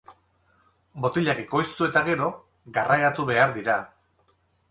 Botilak ekoiztu eta gero, garraiatu behar dira.